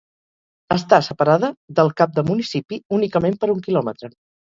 Està separada del cap de municipi, únicament, per un quilòmetre.